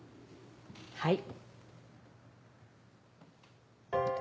はい。